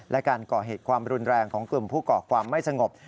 และการก่อเหตุความรุนแรงของกลุ่มผู้ก่อความไม่สงบ